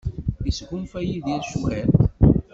Yesgunfa Yidir cwiṭ?